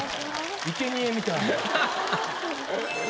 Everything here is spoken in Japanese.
いけにえみたい。